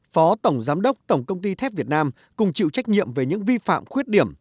phó tổng giám đốc tổng công ty thép việt nam cùng chịu trách nhiệm về những vi phạm khuyết điểm